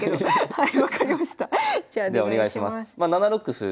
はい。